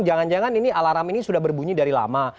jangan jangan ini alarm ini sudah berbunyi dari lama